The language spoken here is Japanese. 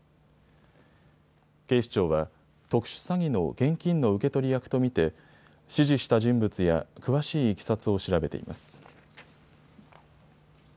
警視庁は特殊詐欺の現金の受け取り役と見て指示した人物や詳しいいきさつを調べています。